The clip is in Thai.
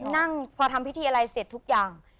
นั่งพอทำพิธีอะไรเสร็จทุกอย่าง